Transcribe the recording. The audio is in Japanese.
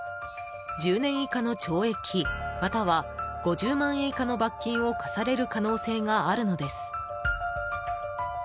１０年以下の懲役または５０万円以下の罰金を科される可能性があるのです。